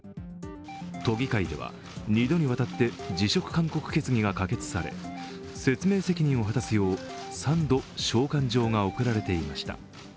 都議会では２度にわたって辞職勧告決議が可決され説明責任を果たすよう、３度、召喚状が送られていました。